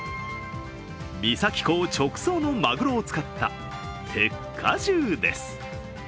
三崎港直送のマグロを使った鉄火重です。